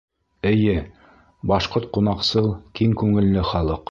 Эйе, башҡорт-ҡунаҡсыл, киң күңелле халыҡ.